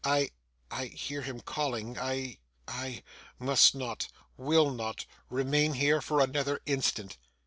I I hear him calling. I I must not, will not, remain here for another instant.